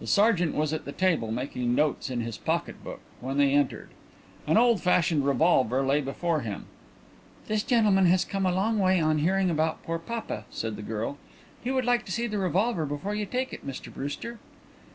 The sergeant was at the table, making notes in his pocket book, when they entered. An old fashioned revolver lay before him. "This gentleman has come a long way on hearing about poor papa," said the girl. "He would like to see the revolver before you take it, Mr Brewster."